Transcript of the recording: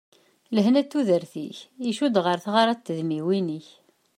Lehna n tudert-ik icudd ɣer tɣara n tedmiwin-ik.